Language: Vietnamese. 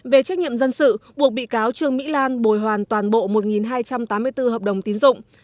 về trách nhiệm dân sự buộc bị cáo trương mỹ lan bồi hoàn toàn bộ một hai trăm tám mươi bốn hợp đồng tín dụng